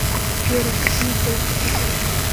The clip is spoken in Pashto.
یوه رسۍ په میخ پورې کلکه وتړئ.